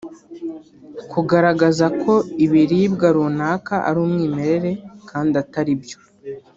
kugaragaza ko ibiribwa runaka ari umwimerere kandi atari byo